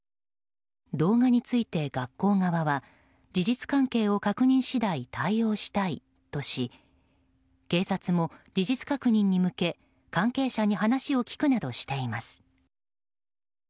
動画について、学校側は事実関係を確認次第対応したいとし警察も事実確認に向け関係者に話を聞くなどしています。